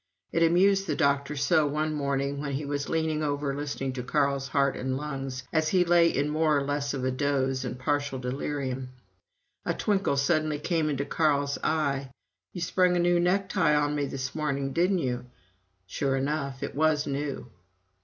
It amused the doctor so one morning, when he was leaning over listening to Carl's heart and lungs, as he lay in more or less of a doze and partial delirium. A twinkle suddenly came into Carl's eye. "You sprung a new necktie on me this morning, didn't you?" Sure enough, it was new.)